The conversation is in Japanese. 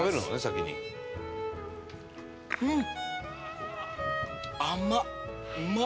うん！